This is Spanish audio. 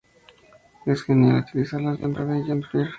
Es genial utilizarlas para Beyond Fear.